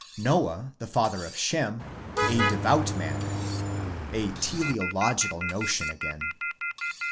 Noah the father of Shem, a devout man, (the ¢eleological notion again